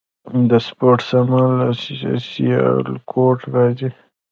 د سپورت سامان له سیالکوټ راځي؟